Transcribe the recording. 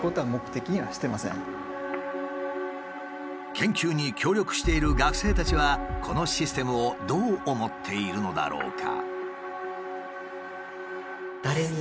研究に協力している学生たちはこのシステムをどう思っているのだろうか？